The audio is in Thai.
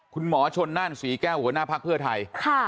คุณหมอชนน่านศรีแก้วหัวหน้าภักดิ์เพื่อไทย